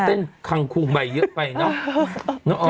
ไปถึงครั้งคู่ใหม่เยอะไปเนอะ